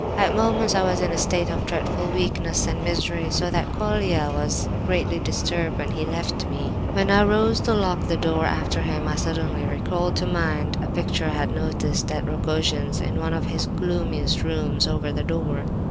"At moments I was in a state of dreadful weakness and misery, so that Colia was greatly disturbed when he left me. "When I arose to lock the door after him, I suddenly called to mind a picture I had noticed at Rogojin's in one of his gloomiest rooms, over the door.